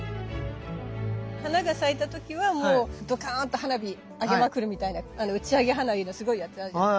花が咲いた時はもうドカンと花火あげまくるみたいな打ち上げ花火のすごいやつあるじゃない。